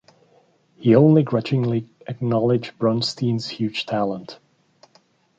He only grudgingly acknowledged Bronstein's huge talent.